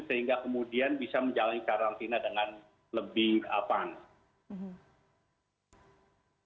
sehingga kemudian bisa menjalankan karantina dengan lebih keamanan